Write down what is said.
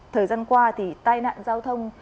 thời gian qua thì tai nạn giao thông